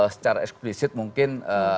secara eksklusif mungkin